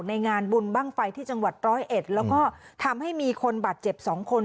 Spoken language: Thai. ในงานบุญบั้งไฟที่จังหวัด๑๐๑แล้วก็ทำให้มีคนบาดเจ็บ๒คน